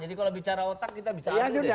jadi kalau bicara otak kita bisa adu deh